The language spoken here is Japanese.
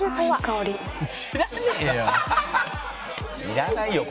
いらないよ